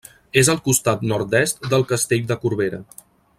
És al costat nord-est del Castell de Corbera.